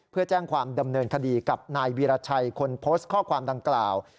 เพื่อแจ้งความดำเนินคดีกับนายวีรชัยคนโพสต์ข้อความดังกล่าว